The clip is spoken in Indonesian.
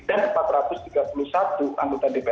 dan empat ratus tiga puluh satu anggota dpr